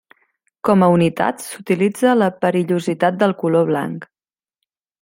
Com a unitat s'utilitza la perillositat del color blanc.